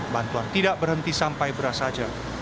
bantuan tidak berhenti sampai beras saja